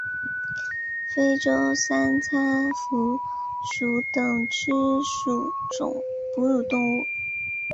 非洲三叉蝠属等之数种哺乳动物。